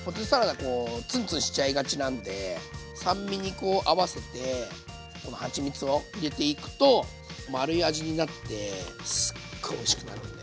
こうツンツンしちゃいがちなんで酸味にこう合わせてこのはちみつを入れていくと丸い味になってすっごいおいしくなるんで。